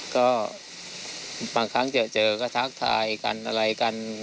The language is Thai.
ก็บางครั้งเจอก็ทักทายกันอะไรกัน